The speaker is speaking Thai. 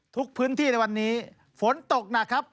ทุกพื้นที่ในวันนี้ฝนตกหนักครับ